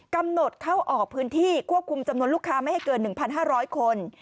กำหนดเข้าออกพื้นที่ควบคุมจำนวนลูกค้าไม่ให้เกิน๑๕๐๐คน